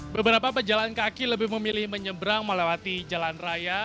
beberapa pejalan kaki lebih memilih menyeberang melewati jalan raya